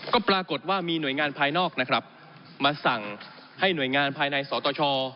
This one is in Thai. ก็ปรากฏว่ามีหน่วยงานภายนอกนะครับมาสั่งให้หน่วยงานภายในสตช